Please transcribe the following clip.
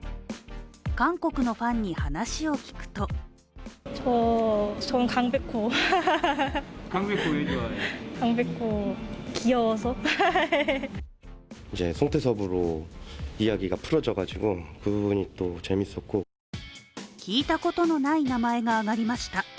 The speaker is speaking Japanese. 韓国のファンに話を聞くと聞いたことのない名前が挙がりました。